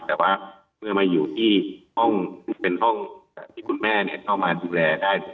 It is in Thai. แต่ว่าเมื่อมาอยู่ที่ห้องที่เป็นห้องที่คุณแม่เข้ามาดูแลได้